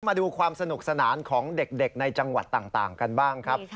มาดูความสนุกสนานของเด็กในจังหวัดต่างกันบ้างครับ